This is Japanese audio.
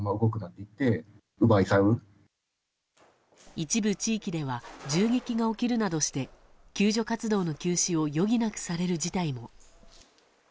一部地域では銃撃が起きるなどして救助活動の休止を余儀なくされる事態も。